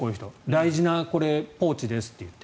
大事なポーチですと言って。